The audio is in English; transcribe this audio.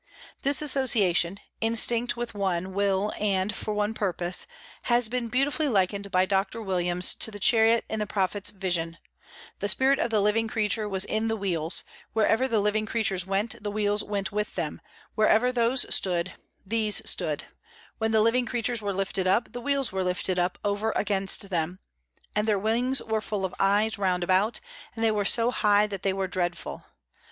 This association, instinct with one will and for one purpose, has been beautifully likened by Doctor Williams to the chariot in the Prophet's vision: "The spirit of the living creatures was in the wheels; wherever the living creatures went, the wheels went with them; wherever those stood, these stood: when the living creatures were lifted up, the wheels were lifted up over against them; and their wings were full of eyes round about, and they were so high that they were dreadful.